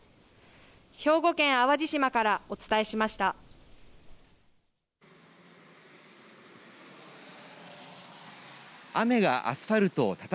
兵庫県淡路島からお伝えしました。